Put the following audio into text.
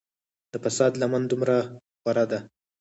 د فساد لمن دومره خوره ده.